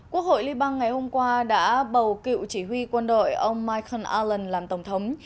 quốc hội liên bang ngày hôm qua đã bầu cựu chỉ huy quân đội ông michael allen làm tổng thống